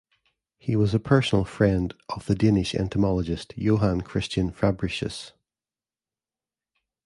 He was a personal friend of the Danish entomologist Johan Christian Fabricius.